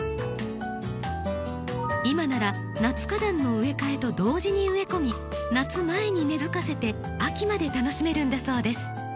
今なら夏花壇の植え替えと同時に植え込み夏前に根づかせて秋まで楽しめるんだそうです。